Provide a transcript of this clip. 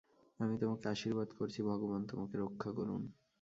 আমি তোমাকে আশীর্বাদ করছি, ভগবান তোমাকে রক্ষা করুন।